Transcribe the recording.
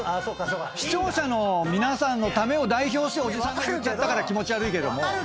視聴者の皆さんのためを代表しておじさんが言っちゃったから気持ち悪いけども。